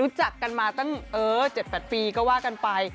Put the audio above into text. รู้จักกันมาตั้ง๗๘ปีก็ว่ากันไป